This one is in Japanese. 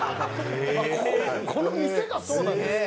「この店がそうなんですか？」